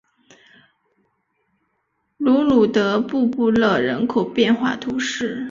卢鲁德布布勒人口变化图示